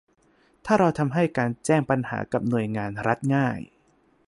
ถ้าเราทำให้การแจ้งปัญหากับหน่วยงานรัฐง่าย